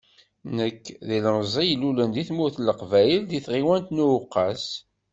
Nekk, d ilmẓi i ilulen deg tmurt n Leqbayel di tɣiwant n Uweqqas.